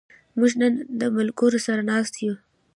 موږ نن د ملګرو سره ناست یو.